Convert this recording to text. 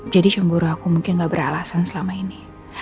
jadi cemburu aku mungkin gak beralasan selama ini